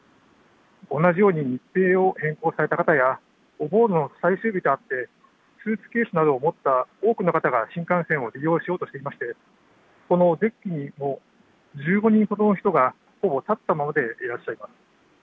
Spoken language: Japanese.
同じように日程を変更された方やお盆の最終日とあってスーツケースなどを持った多くの方が新幹線を利用しようとしていましてこのデッキにも１５人ほどの人がほぼ立ったままでいます。